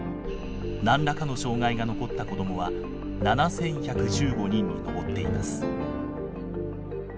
何らかの障害が残った子どもは７，１１５人に上っています。